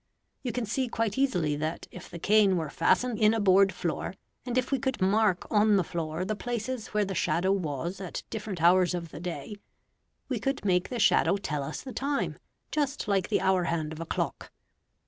You can see quite easily that if the cane were fastened in a board floor, and if we could mark on the floor the places where the shadow was at different hours of the day, we could make the shadow tell us the time just like the hour hand of a clock.